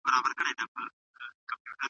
حق پر باطل باندي بشپړ بريالی سو.